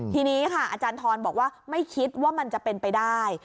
ทีนี้ค่ะอาจารย์ทรบอกว่าไม่คิดว่ามันจะเป็นไปได้